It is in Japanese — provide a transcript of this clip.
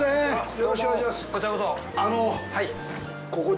よろしくお願いします。